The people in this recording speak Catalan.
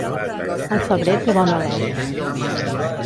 El febrer té bon alè.